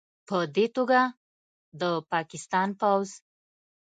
پدې توګه، د پاکستان پوځ